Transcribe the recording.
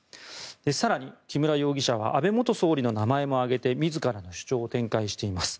更に、木村容疑者は安倍元総理の名前も挙げて自らの主張を展開しています。